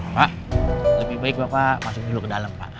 pak lebih baik pak masuk dulu ke dalam